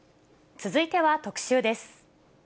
続いては特集です。